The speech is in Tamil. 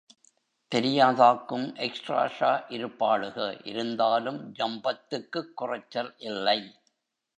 தெரியாதாக்கும், எக்ஸ்ட்ராஸா இருப்பாளுக, இருந்தாலும் ஜம்பத்துக்குக் குறைச்சல் இல்லை!